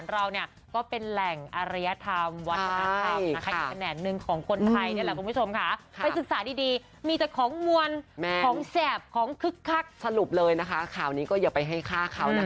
เราต้องไปสนใจค่ะ